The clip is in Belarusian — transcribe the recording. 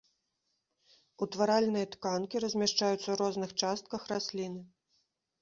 Утваральныя тканкі размяшчаюцца ў розных частках расліны.